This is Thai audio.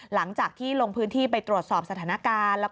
หลังจากที่ลงพื้นที่ไปตรวจสอบสถานการณ์